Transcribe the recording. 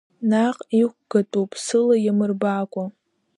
Наҟ иқәгатәуп, сыла иамырбакәа!